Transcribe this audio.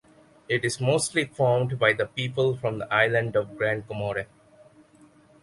It is mostly formed by the people from the Island of Grand Comore.